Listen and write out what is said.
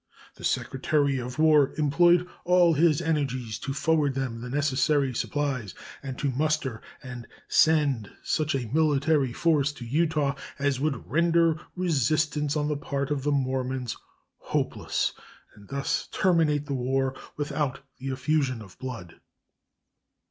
The Secretary of War employed all his energies to forward them the necessary supplies and to muster and send such a military force to Utah as would render resistance on the part of the Mormons hopeless, and thus terminate the war without the effusion of blood.